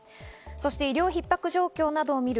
そして医療逼迫状況などを見る